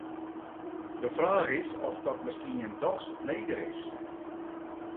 De fraach is oft dat miskien dochs nedich is.